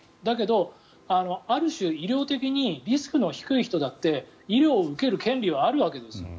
だけど、ある種、医療的にリスクの低い人だって医療を受ける権利はあるわけです。